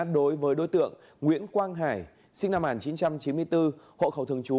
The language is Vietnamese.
đối với đối tượng nguyễn quang hải sinh năm một nghìn chín trăm chín mươi bốn hộ khẩu thường trú